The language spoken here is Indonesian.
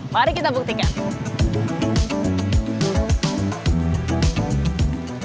mari kita buktikan